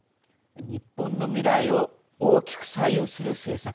日本の未来を大きく左右する政策。